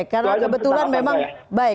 karena kebetulan memang baik